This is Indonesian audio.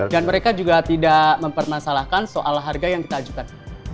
dan mereka juga tidak mempermasalahkan soal harga yang kita ajukan